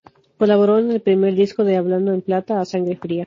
Colaboró en el primer disco de Hablando en plata, "A sangre fría".